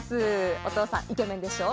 お父さん、イケメンでしょう。